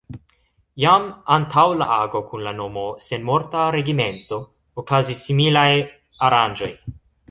Jam antaŭ la ago kun la nomo „Senmorta regimento” okazis similaj aranĝoj.